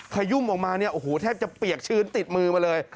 ขยุมออกมาแทบจะเปียกชื้นติดมือมาเลย